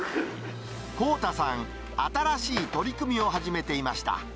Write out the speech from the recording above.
幸太さん、新しい取り組みを始めていました。